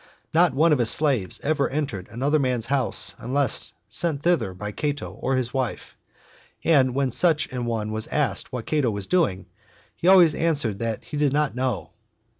Not one of his slaves ever entered another man's house unless sent thither by Cato or his wife, and when such an one was asked what Cato was doing, he always answered that he did not know.